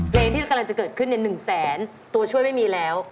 เพลงที่กำลังจะเกิดขึ้นใน๑แสนตัวช่วยไม่มีแล้ว